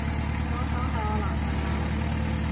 左手係我男朋友